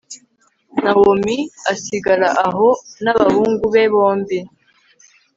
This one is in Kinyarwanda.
nawomi asigara aho n'abahungu be bombi